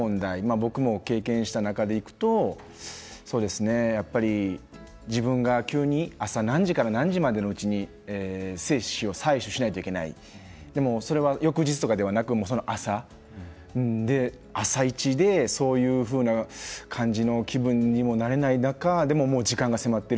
僕も経験した中でいくとやっぱり自分が急に朝何時から何時までのうちに精子を採取しないといけないそれは翌日ではなく朝朝一でそういうふうな感じの気分にもなれないという中時間が迫っている。